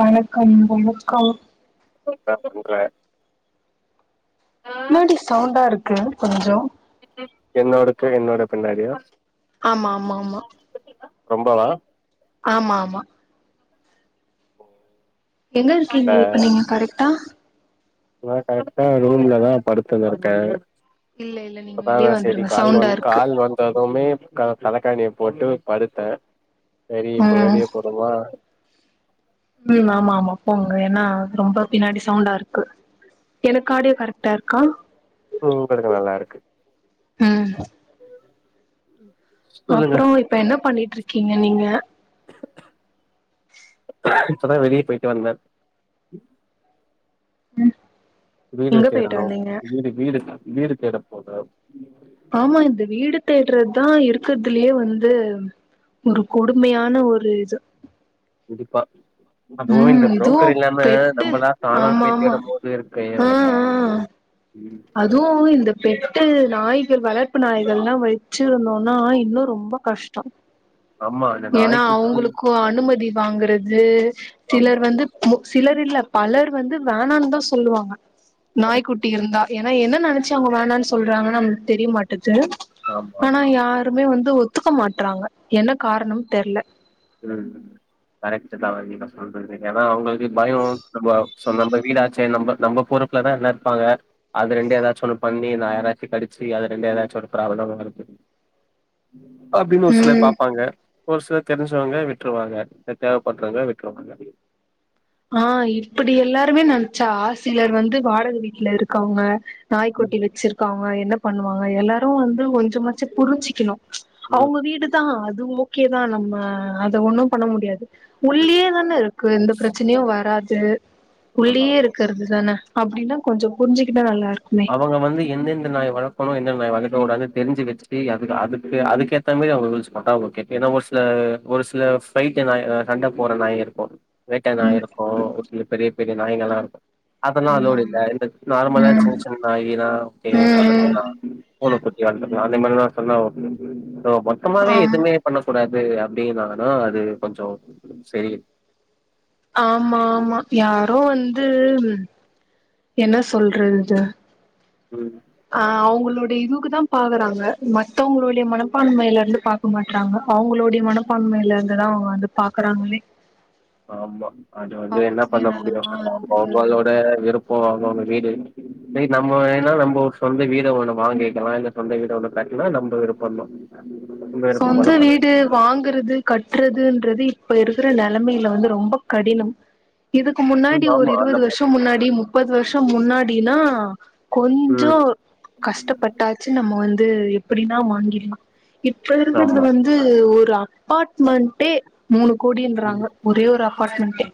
வணக்கம் வணக்கம் [unintelligible] என்னடி சவுண்டா இருக்கு கொஞ்சோ என்னோடுக்கு என்னோட பின்னாடியா ஆமா ஆமா ஆமா ரொம்பவா ஆமா ஆமா என்ன இருக்கீங்க இப்ப நீங்க கரெக்டா நா கரெக்டா ரூம்ல தா படுத்துனு இருக்கே இல்ல இல்ல நீங்க அப்பதான வெளிய சேரி வந்துருங்க கால் சவுண்டா வந் இருக்கு கால் வந்ததுவுமே உக்காந்து கதக்காணிய போட்டு படுத்தே சேரி இப்ப ம் வெளிய போறோமா ம் ஆமா ஆமா போங்க ஏனா ரொம்ப பின்னாடி சவுண்டா இருக்கு எனக்கு ஆடியோ கரெக்டா இருக்கா ம் உங்களுது நல்லா இருக்கு ம் சொல்லுங்க அப்புறோ இப்ப என்ன பண்ணிட்டு இருக்கீங்க நீங்க இப்பதா வெளிய போயிட்டு வந்தே ம் எங்க போயிட்டு வந்தீங்க வீடுக் வீடு தேட போனே ஆமா இந்த வீடு தேடுறது தா இருக்கதுலயே வந்து ஒரு கொடுமையான ஒரு இது கண்டிப்பா அதுவு இந்த ம் இதுவு புரோக்கர் இல்லாம பெட்டு நம்மளா தானா ஆமா போய் ஆமா தேடும் போது இருக்கே ஆ எல்லா ஆ ம் அதுவு இந்த பெட்டு நாய்கள் வளர்ப்பு நாய்கள்லா வச்சிருந்தோன்னா இன்னு ரொம்ப கஷ்டோ ஆமா அந்த ஏனா நாய் குத்து அவுங்களுக்கு அனுமதி வாங்கறது ஆமா சிலர் வந்து மு சிலர் இல்ல பலர் வந்து வேணானுதா சொல்லுவாங்க கரெக்ட் நாய்க்குட்டி இருந்தா ஏனா என்ன நெனச்சி அவுங்க வேணானு சொல்றாங்கனு நமக்கு தெரிய மாட்டுது ஆமா ஆமா ஆனா யாருமே வந்து ஒத்துக்க மாட்றாங்க என்ன காரணம் தெர்ல ம் கரெக்ட்டு தா நீங்க சொல்றது ஏனா அவுங்களுக்கு பயோ நம்ப சோ நம்ம வீடாச்சே நம்ம நம்ம பொருப் புலதா எல்லா இருப்பாங்க அது ரெண்டு எதாச்சி ஒன்னு பண்ணி நா யாராச்சி கடிச்சி அது ரெண்டு எதாச்சி ஒரு பிராப்ளமா இருக்கு அப்டின் ஒரு ம் சிலர் பாப்பாங்க ஒரு சிலர் தெரிஞ்சவங்க விட்ருவாங்க இல்ல தேவ பட்றவங்க விட்ருவாங்க ஆ இப்டி எல்லாருமே நெனச்சா ஆ சிலர் வந்து வாடக வீட்ல இருக்கவுங்க நாய்க்குட்டி வச்சிருக்காங்க என்ன பண்ணுவாங்க எல்லாரு வந்து கொஞ்சமாச்சி புரிஞ்சிக்கிணு ம் அவுங்க வீடுதா அது ஓகேதா நம்ம அத ஒன்னு பண்ண முடியாது ம் உள்ளியே தான இருக்கு எந்த பிரச்சனையு வராது ஆமா உள்ளயே இருக்கறதுதான அப்டினா கொஞ்சோ புரிஞ்சிக்கிட்டா நல்லா இருக்கு அவுங்க வந்து எந்தெந்த நாய் வழக்கணு எந்த நாய் வளக்கக்கூடாது தெரிஞ்சி வச்சிட்டு அதுக் அதுக்கு அதுக்கே ஏத்தமாரி அவுங்க ரூல்ஸ் போட்டா ஓகே ஏனா ஒரு சில ஒரு சில ஃபைட் நாயு சண்ட போட்ற நாய்ங்க இருக்கு வேட்ட நாய் ம் இருக்கு ஒரு சில பெரிய பெரிய நாய்ங்கள்லா இருக்கு அதெல்லா அலோடு இல்ல ஆமா இந்த நார்மலா ஆமா சின்னச்சின்ன நாயிலா ஓகே ம் ம் ம் வளத்துக்கலா பூனை குட்டி வளத்துக்கலாம் அதே மாரி நான் சொன்ன ஹலோ சுத்தமாவே ஆம் எதுமே பண்ண கூடாது அப்டின்னானா அது கொஞ்சோம் சேரி ஆமா ஆமா யாரோ வந்து என்ன சொல்றது ம் அ அவங்களோடைய இதுக்குதான் பாக்குறாங்க மத்தவங்களோடைய மனப்பான்மைல இருந்து பாக் க மாட்றாங்க அவங்களோட மனப்பான்மையில இருந்துதான் அவங்க வந்து பாக்குறாங்களே ஆமா அது வந்து அவங்க என்ன பண்ண முடியும் சுயநலமா அது அவங்க வந்து அவங்களோட விருப்போம் அவங்கவங்க வீடு டேய் நம்ம வேணா நம்ம ஒரு சொந்த வீட ஒண்ணு வாங்கிக்கலாம் இல்ல சொந்த வீட ஒண்ணு கட்னா நம்ம விருப்பந்தான் சொந்த வீடு வாங்றது கட்டுறதுன்றது இப்ப இருக்கிற நெலமைல வந்து ரொம்ப கடினம் இதுக்கு முன்னாடி ம் ஒரு ஆமா இருவது நம்ம வருஷோம் முன்னாடி முப்பது வருஷோம் முன்னாடிலாம் ம் கொஞ்சோம் கஷ்டப்பட்டாச்சி நம்ம வந்து எப்படின்னா வாங்கிடலாம் இப்ப இருக்கிறது ஆமா வந்து ஒரு அப்பார்ட்மெண்ட்டே மூணு கோடின்றாங்க ம் ஒரே ஒரு அப்பாட்மெண்ட்டே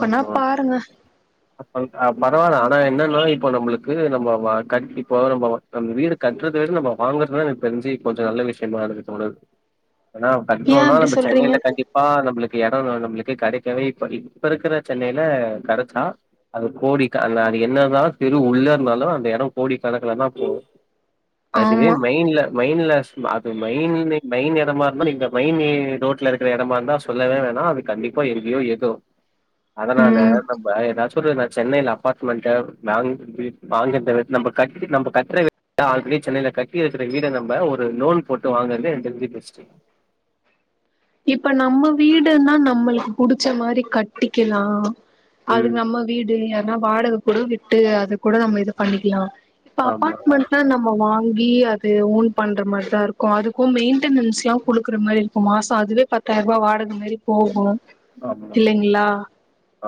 ஆமா ஆமா பரவால்ல ஆனா என்னனா இப்ப நம்மளுக்கு நம்ம வ கண்டிப்பா இப்போ நம்ம வீடு கட்றத விட நம்ம வாங்றதுனா எனக்கு தெரிஞ்சி கொஞ்சோம் நல்ல விஷயமா எனக்கு தோணுது ஆனா ஏன் கட்றோண்னா அப்டி நம்ம சொல்றீங்க சென்னைல கண்டிப்பா நம்மளுக்கு எடோம் நம்மளுக்கு கெடைக்கவே இப்படி இப்ப இருக்கற சென்னைல கெடச்சா அது ஒரு கோடி க அ அது என்னதா தெரு உள்ள இருந்தாலும் அந்த எடோம் கோடி கணக்கில தான் போவும் அதுவே ஆமா மெயின்ல மெயின்ல அது மெயின் மெயின் எடமா இருந்தா மெயின் ரோட்ல இருக்கற எடமா இருந்தா சொல்லவே வேணா அது கண்டிப்பா இருக்கியோ எதோ அதனால ம் நம்ம எதாச்சி ஒரு சென்னைல அப்பார்ட்மெண்ட்டு வாங்கி வாங்றத விட்டு நமக் கட்டிட்டு நம்ம கட்ற விட ஆல்ரெடி சென்னைல கட்டி வச்சிருக்கிற வீட நம்ம ஒரு லோன் போட்டு வாங்றது எனக்கு தெரிஞ்சி பெஸ்ட்டு இப்ப நம்ம வீடுனா நம்மளுக்கு புடிச்ச மாரி கட்டிக்கலாம் அது ம் நம்ம வீடு ஏனா வாடகை கூட விட்டு அது கூட நம்ம இது பண்ணிக்கலாம் இப்ப ஆமா அபார்ட்மெண்ட் நம்ம வாங்கி அது ஓன் பண்ற மாதிரி தான் இருக்கும் அதுக்கும் மெயின்டெனன்ஸ் எல்லா கொடுக்குற மாரி இருக்கும் மாச அதுவே பத்தாயிரம் ரூபாய் வாடகை மாரி போகும் ஆமா இல்லைங்களா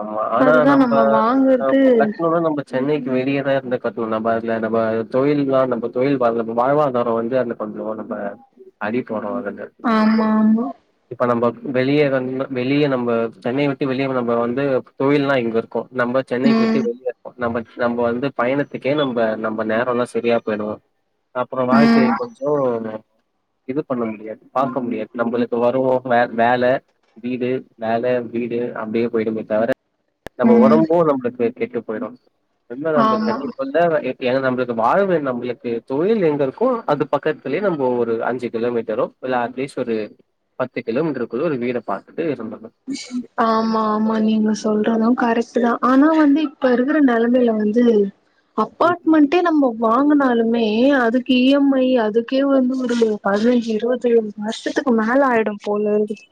ஆமா ஆனா அதுதா நம்ம வாங்குறது கட்னோன நம்ம சென்னைக்கு வெளியேதான் இருந்து கட்டுவோம் நம்ம இது நம்ம நம்ம தொழில் வாழ்வாதாரம் வந்து கொஞ்சம் நம்ம அறி போடுறோம் ஆமா ஆமா இப்ப நம்ம வெளியே எதனா வெளியே நம்ம சென்னைய விட்டு வெளியே நம்ம வந்து தொழில்லாம் இங்க இருக்கும் நம்ம சென்னைக்கு விட்டு ம் வெளியே இருப்போம் நம்ம நம்ம வந்து பயணத்துக்கே நம்ம நம்ம நேரம் எல்லாம் சரியா போயிடும் அப்புறம் வாழ்க்கைல ம் கொஞ்சம் இது பண்ண முடியாது பாக்க முடியாது நம்மளுக்கு வருவோம் வே வேல வீடு வேல வீடு அப்டியே போயிடுமே தவிர நம்ம ம் ஒடம்பும் நம்மளுக்கு கெட்டு போயிடும் ரெண்டாவது நான் ஆமா சென்னை நம்மளுக்கு வாழ்வு நம்மளுக்கு தொழில் எங்க இருக்கோ அது பக்கத்துலே நம்ம ஒரு அஞ்சு கிலோமீட்டரும் இல்ல அட்லீஸ்ட் ஒரு பத்து கிலோமீட்டருக்குள்ள ஒரு வீட பாத்துட்டு சொந்த [inaudible] ஆமா ஆமா நீங்க சொல்றதும் கரெக்ட் தான் ஆனா வந்து இப்ப இருக்கிற நெலமைல வந்து அப்பாட்மெண்ட் டே நம்மோ வாங்குனாலுமே அதுக்கு இ எம் ஐ அதுக்கே வந்து ஒரு பதுனஞ்சு இருவத்தி ஏழு வருஷத்துக்கு மேல ஆயிடும் போல இருக்குது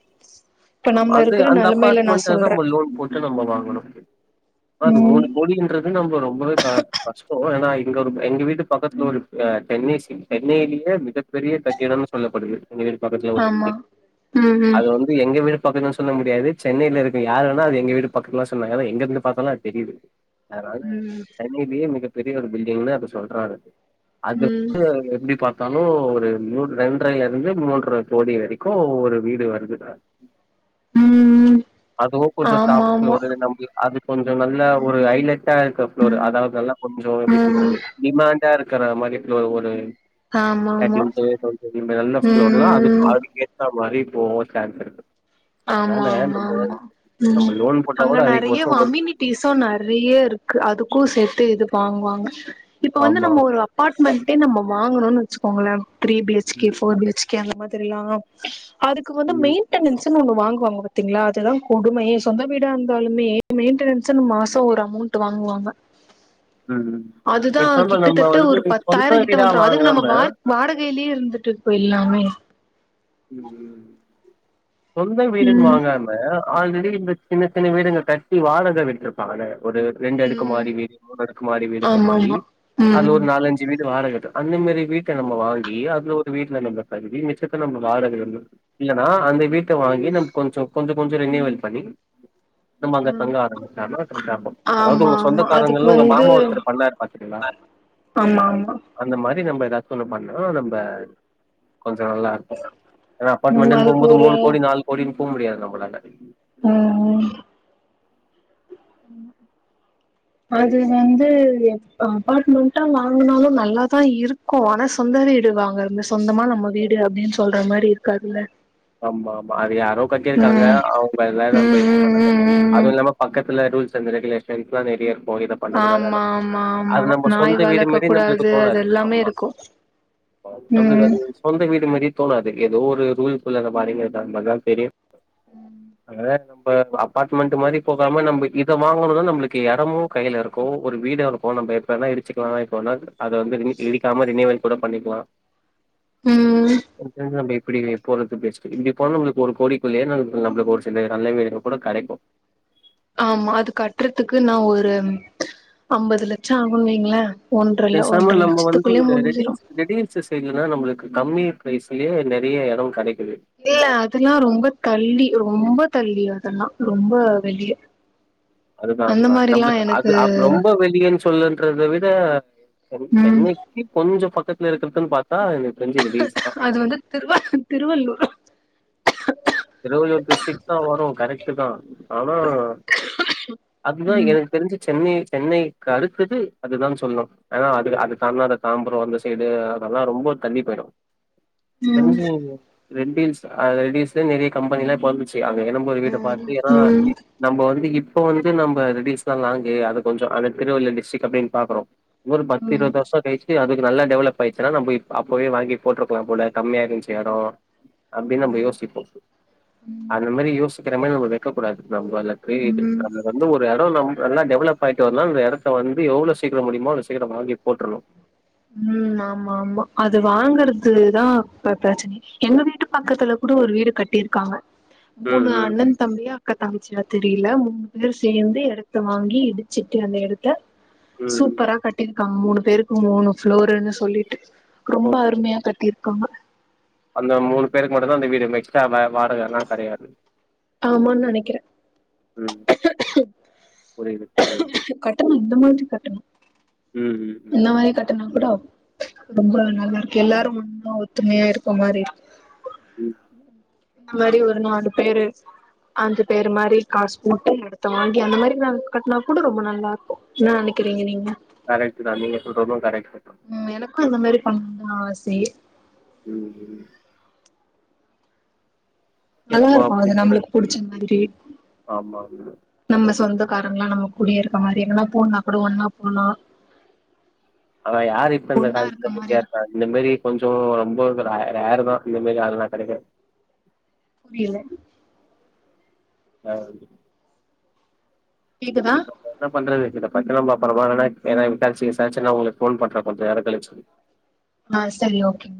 இப்ப அப் நம்ம அது இருக்கிற அந்த அப்பாட் நெலைமையில நான் மெண்ட்ல தா நம்ம சொல்றேன் லோன் போட் ட்டு நம்ம வாங்கணு அது ம் மூணு கோடின்றத் து நம்ப ரொம்பவே க கஷ்டோ ஏனா இங்க ஒருப்ப எங்க வீட்டு பக்கத்துல ஒரு அ தென்னீசி தென்னையிலயே மிக பெரிய தட்டியனம்னு சொல்லப்படுது எங்க வீட்டு பக்கத்துல ஒரு ஆமா பில்டிங் ம் ம் அது வந்து எங்க வீடு பக்கத்லா சொல்ல முடியாது சென்னையில இருக்கு யாருன்னா அது எங்க வீட்டு பக்கத்துலதா சொன்னாங்க அதா எங்க இருந்து பாத்தாலு அது தெரியுது அதுனால சென்னையிலேயே மிகப்பெரிய ஒரு பில்டிங்குன்னு அத சொல்றாங்க அது ம் ம் வந்து எப்டி பாக் த்தாலு ஒரு மூ ரெண்ரைல இருந்து மூன்ற கோடி வரைக்கு ஒவ்வொரு வீடு வந்து ம் ம் அதுவு கொஞ்சோ ஆமா டாப் ஆமா ஃபுளோரு நம்முளுக் அது கொஞ்சோ நல்ல ஒரு ஹைலட் டேங்கஃப் ஃபுளோரு அதாவதுல்லா கொஞ்சோ எப்டி ம் சொல்றது டிமேண்டா இருக்கற மாரி ஒரு ஆமா ஆமா [unintelligible] நல்ல [unintelligible] அது ம் அதுக்கே அந்த மாரி போவோ தேட்டருக்கு ஆமா ஆமா ஆமா ம் நம்ம லோன் போட்டா அங்க கூட நறையா அதிகபட்சோ ஒரு வாமினி பீசு நறையா இருக்கு அதுக்கு சேத்தே இது வாங்குவாங்க இப்போ வந்து ஆமா. நம்மோ ஒரு அப் அப்பாட் மெண்ட்டே நம்ம வாங்குணோன் வெச்சுக்கோங்கள த்ரீ பி ஹெச்சு கே ம், ஃபோர் பி ஹெச்சு க்கே அந்த மாரி எல்லா அதுக்கு வந்து ம், மெயிண்டனன்ஸ் ன்னு ஒண்ணு வாங்குவாங்க பாத்தீங்களா அதுதாங் கொடுமையே சொந்த வீடா இருந்தாலுமே மெயிண்டனன்ஸ்ஸுனு மாசோ ஒரு அமோண் ட்டு வாங்குவாங்க ம். அதுதா பேசாம நம்ம கிட்டத்தட்ட வந்து ஒரு சொந்த பத்தாயிரோ கிட்ட வீடா வந்துரு அதுக்கு நம்ம வாங்காம வா வாடகையிலயே இருந்துட்டு போயிர்லாமே சொந்த வீடுன் ம் வாங்குறான் மெ ஆல்ரெடி இந்த சின்ன சின்ன வீடுங்க கட்டி வாடக விட்ருப்பாங்கள்ல ஒரு ரெண்டு அடுக்கு ம் மாடி வீடு மூணு அடுக்கு மாடி வீடு ஆமா கட்டி ஆமா அதுல ம் ஒரு நாலஞ்சு ஞ்சு வீடு வாடகட்ட அந்த மேரி வீட்ட நம்ம வாங்கி அதுல ஒரு வீட்ல நம்ம தகுதி மிச்சத்த நம்ம வாடக இல்லன்னா அந்த வீட்ட வாங்கி நம் கொஞ்சோ கொஞ்சோ கொஞ்சோ ரினிவல் பண்ணி நம்ம அங்க ம் தங்க ஆரம்பிச்சாதா கரெக்டா இருக்கு அதாவது ஆமா உங்க ஆமா அதுக்கு சொந்தக்காரங்கல்ல உங்க வந்து மாமா ஒருத்தரு பண்ணாரு பாத்தீங்களா ஆமா ஆமா அந்த மாரி நம்ப எதாச்சு ஒன்னு பண்ணா நம்ப கொஞ்சோ நல்லா இருக்கு ஏனா ம் அப்பாட்மெண்ட்டுன் போம் அதுக்கு போது ஒரு மூணு கோடி நாலு கோடினு போ முடியாது நம்மளால ம் ம் ம் அது வந்து அப்பார்ட்மெண்டா வாங்குனாலு நல்லாத்தா இருக்கு ஆனாஸ் சொந்த வீடு வாங்கறது சொந்தமா நம்ம வீடு அப்டின் சொல்ற மாரி இருக்காதுல்ல ஆமா ஆமா அது யாரோ கட்டிருக்காங்க ம் அவுங்க எல்லா நம்ப ம் இது ம் பண்ணனு ம் ம் அது ம் இல்லாம பக்கத்துல ரூல்ஸ் அண்ட் ரெகுலேஷன்ஸ் எல்லா நறையா இருக்கு இதப் பண்ணக்கூடாது அத ஆமா ஆமா ஆமா அது நம்ப நாய் சொந்த வீடு வளக்க மேரி கூடாது நம்மளுக்கு அது தோணாது எல்லாமே ஆம்மா இருக்கு நம்மளுக்கு ம் அது சொந்த வீடு மாரியே தோணாது எதோ ஒரு ரூல்க்குள்ள மாட்டினுர்க்கா அந்த மாரிதா தெரியு அதா நம்ப அப் அபாட்மெண்ட்டு மாரி போகாம நம்ப இத வாங்கனது நம்மளுக்கு எடமு கைல இருக்கு ஒரு வீடா இருக்கு நம்ப எப் எப்ப வேனா இடிச்சுக்கலா எப்ப வேனா அது அத வந்த ரினி இடிக்காம ரினிவல் கூட பண்ணிக்கலா ம் [unintelligible] போறது பெஸ்ட் இப்டி போன நம்ளுக்கு ஒரு கோடிக்குள்ளயே நமளுக்கு நம்ளுக்கு ஒரு சில நல்ல வீடு கூட கெடைக்கு ஆமா அது கட்டுறதுக்கு நா ஒரு ஐம்பது லட்ச ஆகுனு வைங்ள ஒன்றல்ல ஒன்ற லட்சத்துக்குள்ளே முடிஞ்சிடு சிஸ் இங்கதா நம்ளுக்கு கம்மி ப்ரைஸ்லே நெறைய எடொ கெடைக்குது இல்ல அதெல்லா ரொம்ப தள்ளி ரொம்ப தள்ளி அதெல்லா ரொம்ப வெளிய அதுதா அந்த அதுதா மாரிலா நம்ளுக்கு அது எனக்கு அப்ப ரொம்ப வெளியேன்னு சொல்லன்றத விட செ ம் சென்னை க்கி கொஞ்சொ பக்கத்துல இருக்றதுன்னு பாத்தா எனக்கு தெரிஞ்சு ரெட் ஹில்ஸ் தா அது வந்து திருவ திருவள்ளூர் திருவள்ளூர் டிஸ்ட்ரிக்ட் தா வரு கரெக்ட் தா ஆனா அதுதா எ ம் தெரிஞ்சு சென்னை சென்னைக்கு அடுத்தது அதுதானு சொல்ல ஆத அது அத தாண்டா அந்த தாம்பரம் அந்த சைடு அதெல்லா ரொம்ப தள்ளி போயிடு இப்ப என்ன ம் செய்விங்க ரெட் ஹில்ஸ அ ரெட்ஹில்ஸ் நெறைய கம்பெனிலா இப்போ வந்துச்சி ஒரு வீட்ட பாத்து ஏனா ம் நம்ம வந்து இப்ப வந்து நம்ம ரெட் ஹில்ஸ தா லாங்கு அத கொஞ்ச அத திருவள்ளூர் டிஸ்டரிக் அப்டின்னு பாக்றோ இன்னு ஒரு பத்து ம் இருவது வர்ஷொ கழிச்சி இது அதுக்கு நல்லா டவலப் ஆயிச்சுன்னா நம்ம இப் அப்பவே வாங்கி போட்ருக்லா போல கம்மியா இருச்சு எடொ அப்டினு நம்ம யோசிப்போ அந்த மாரியோசிக்கற மாரி வெக்க கூடாது அது நம்ம அதுல ம் [unintelligible] இப்போ வந்து ஒரு எடொ நம் நல்லா டெவலப் ஆயிட்டு வந்தா அந்த எடத்த வந்து எவ்ளொ சீக்கிரொ முடியுமோ அவ்ளொ சீக்கிர வாங்கி போட்டுறான்னு ம் ஆமா ஆமா அது வாங்கறது தா இப்ப பிரச்சனயே எங்க வீட்டு பக்கத்துல கூட ஒரு வீடு கட்டியிருக்காங்க ம் மூணு ம் அண்ணன் தம்பியா அக்கா தங்கச்சியா தெரில மூணு பேரு சேந்து எடத்த வாங்கி இடிச்சுட்டு அந்த எடத்த ம் சூப்பரா கட்டிருக்காங்க மூணு பேருக்கு மூணு ஃப்ளோருன்னு சொல்லிட்டு ரொம்ப ஓகே அருமையா கட்டிருக்காங்க அந்த மூணு பேருக்கு மட்டுந்தா அந்த வீடு எக்ஸ்ட்ரா வ வாடகையெல்லா கெடையாது அப்டினு நெனைக்கிறே ம். புரியுது, புரியுது. கட்டனு இந்த மாரி கட்டனு ம், ம், இந்த ம். மாரி கட்டனா கூட ரொம்ப ஆமா. நல்லா இருக்கு எல்லாரு ஒன்னா ஒத்துமையா இருக்க மாரி இருக்கு ம் இந்த மாரி ஒரு நாலு பேரு அஞ்சு பேரு மாரி காசு போட்டு எடத்த வாங்கி அந்த மாரி நா கட்னா கூட ரொம்ப நல்லா இருக்கு என்னா நினைக்கிறீங்க நீங்க கரெக்ட்டு தா நீங்க சொல்றது கரெக்ட் தா ம் எனக்கு இந்த மாரி பண்ணனு ஆசே ம் ம் நல்லா அப்போ இருக்கு அப்படி அது கூட நம்மளுக்கு புடிச்ச மாதிரி ஆமா, ஆமா. நம்ம சொந்தக்காரங்களா நம்ம கூடியே இருக்க மாரி எங்கனா போணா கூட ஒன்னா போனா அ யார் இப்ப அந்த ஒன்னா கால இருக்க ரெடியா மாரி இருப்பா இந்த மேரி கொஞ்ச ரொம்ப ர ரேர் தா இந்த மாரி ஆளால்லா கெடைக்க புரியல நா வந்து கேக்குதா [unintelligible] என்ன பண்றது இத பத்தி நம்ம அப்பறமா வேணா ஏன்னா விசாருச்சி விசாருச்சி நாமளுக்கு போன் பண்றே கொஞ்ச நேர கழிச்சி ஆ சரி ஓகே